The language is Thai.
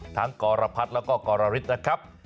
ทั้งกรพัทรแล้วก็กรรฤษนะครับ